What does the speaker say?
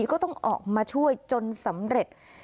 ก็ต้องออกมาช่วยจนสำเร็จ